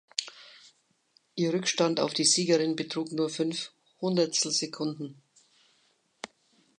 Ihr Rückstand auf die Siegerin betrug nur fünf Hundertstelsekunden.